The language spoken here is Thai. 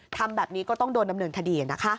ทำแบบนี้ก็ต้องโดนดำเนินคดีนะคะ